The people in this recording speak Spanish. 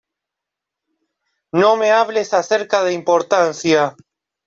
No me hables acerca de importancia.